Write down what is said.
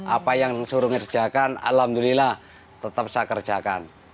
apa yang disuruh ngerjakan alhamdulillah tetap saya kerjakan